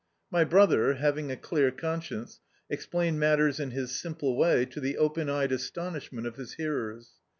My brother, having a clear conscience, explained mat ters in his simple way to the open eyed astonish ment of his hearers.